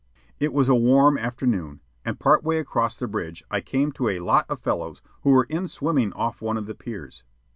It was a warm afternoon, and part way across the bridge I came to a lot of fellows who were in swimming off one of the piers.